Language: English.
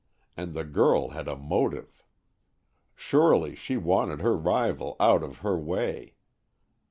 And the girl had a motive. Surely she wanted her rival out of her way.